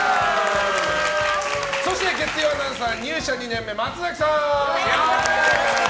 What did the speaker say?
そして、月曜アナウンサー入社２年目、松崎さん！